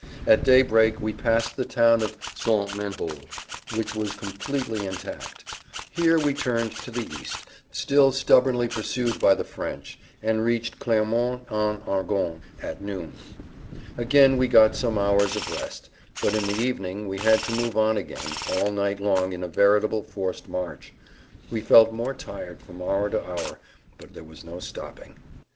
At day break we passed the town of St. Menehould which was completely intact. Here we turned to the east, still stubbornly pursued by the French, and reached Clermont en Argonne at noon. Again we got some hours of rest, but in the evening we had to move on again all night long in a veritable forced march. We felt more tired from hour to hour, but there was no stopping.